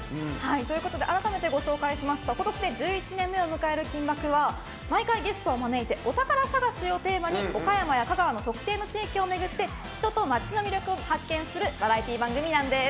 改めて、ご紹介しますと今年で１１年目を迎える「金バク！」は毎回ゲストを招いてお宝探しをテーマに岡山や香川の特定の地域を巡って人と町の魅力を発見するバラエティー番組なんです。